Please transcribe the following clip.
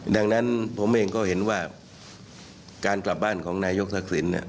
ดังนั้นผมเองก็เห็นว่าการกลับบ้านของนายกทักษิณ